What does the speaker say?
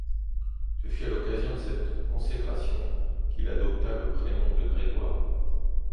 Ce fut à l'occasion de cette consécration qu'il adopta le prénom de Grégoire.